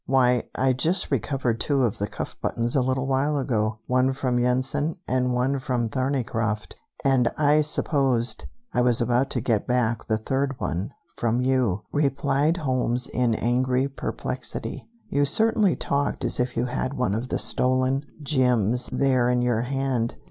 "Why, I just recovered two of the cuff buttons a little while ago, one from Yensen, and one from Thorneycroft, and I supposed I was about to get back the third one from you," replied Holmes in angry perplexity; "you certainly talked as if you had one of the stolen gems there in your hand.